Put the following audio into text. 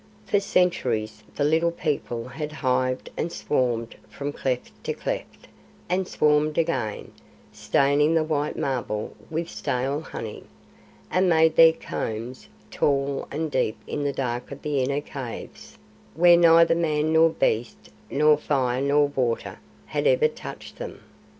For centuries the Little People had hived and swarmed from cleft to cleft, and swarmed again, staining the white marble with stale honey, and made their combs tall and deep in the dark of the inner caves, where neither man nor beast nor fire nor water had ever touched them.